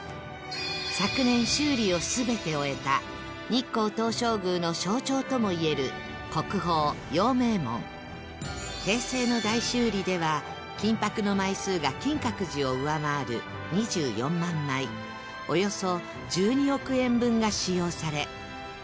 昨年修理を全て終えた平成の大修理では金箔の枚数が金閣寺を上回る２４万枚およそ１２億円分が使用され